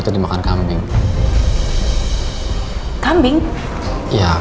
terima kasih ma